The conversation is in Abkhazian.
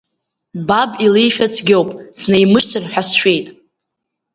Баб илеишәа цәгьоуп, снеимышьҭыр ҳәа сшәеит!